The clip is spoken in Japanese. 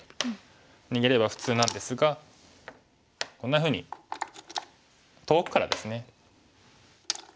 逃げれば普通なんですがこんなふうに遠くからですね